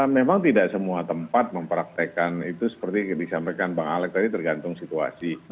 memang tidak semua tempat mempraktekan itu seperti disampaikan bang alex tadi tergantung situasi